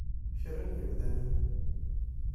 Kra n yemdanen!